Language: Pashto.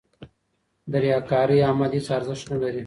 د ریاکارۍ عمل هېڅ ارزښت نه لري.